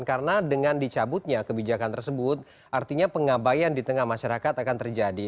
karena dengan dicabutnya kebijakan tersebut artinya pengabayaan di tengah masyarakat akan terjadi